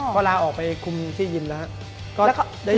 ก็ลาออกไปคุมชื่อยิ่มแล้ว